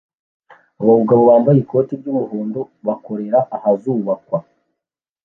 abagabo bambaye ikoti ry'umuhondo bakorera ahazubakwa